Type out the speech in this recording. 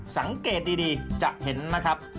สังเกตดีจะเห็นนะครับ